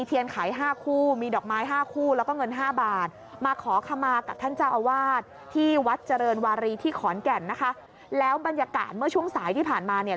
ที่ขอนแก่นนะคะแล้วบรรยากาศเมื่อช่วงสายที่ผ่านมาเนี้ย